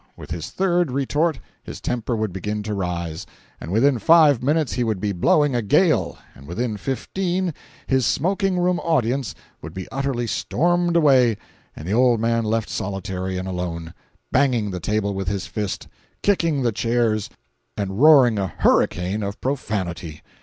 With his third retort his temper would begin to rise, and within five minutes he would be blowing a gale, and within fifteen his smoking room audience would be utterly stormed away and the old man left solitary and alone, banging the table with his fist, kicking the chairs, and roaring a hurricane of profanity.